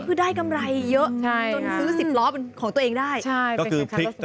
คือได้กำไรเยอะจนซื้อ๑๐ล้อเป็นของตัวเองได้ใช่เป็นสินค้า